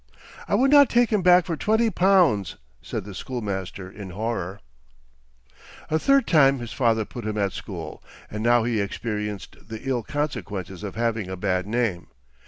"I would not take him back for twenty pounds!" said the schoolmaster in horror. A third time his father put him at school; and now he experienced the ill consequences of having a bad name.